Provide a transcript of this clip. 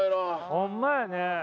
ホンマやね。